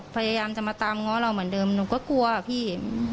พยายามจะมาตามง้อเราเหมือนเดิมหนูก็กลัวพี่